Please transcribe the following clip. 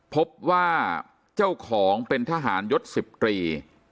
พบว่าเจ้าของเป็นทหารยศ๑๐ตรี